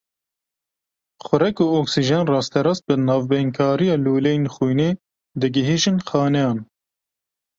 Xurek û oksîjen rasterast bi navbeynkariya lûleyên xwînê digihîjin xaneyan.